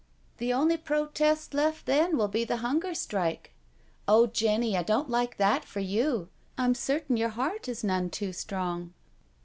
" The only protest left then will be the Hunger, Strike.— Oh, Jenny, I don't like that for you— I am certain your heart is none too strong."